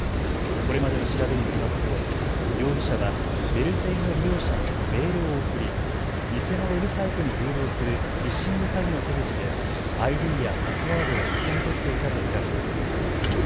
これまでの調べによりますと容疑者はメルペイの利用者にメールを送り、偽のウェブサイトに誘導するフィッシング詐欺の手口でＩＤやパスワードを盗み取っていたと見られています。